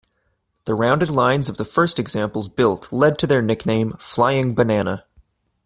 The rounded lines of the first examples built led to their nickname: "flying banana".